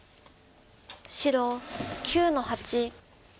白９の八。